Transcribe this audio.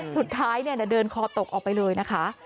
สุดท้ายเดินคอตกออกไปเลยนะคะ